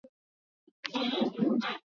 Kuishi kwingi.